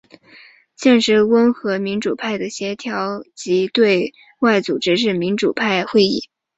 现时温和民主派的协调及对外组织是民主派会议。